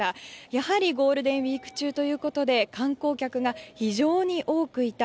やはりゴールデンウィーク中ということで観光客が非常に多くいた。